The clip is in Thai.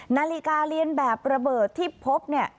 นาฬิกาเรียนแบบระเบิดที่พบเนี่ย